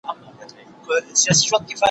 خره غوږونه ښوروله بې پروا وو